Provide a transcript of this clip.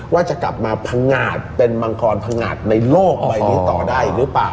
ว่าจะกลับมาพังงาดเป็นมังกรพังงาดในโลกใบนี้ต่อได้อีกหรือเปล่า